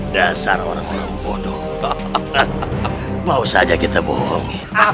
dasar orang orang bodoh mau saja kita bohong